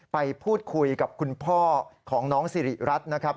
ไปพูดคุยกับคุณพ่อของน้องสิริรัตน์นะครับ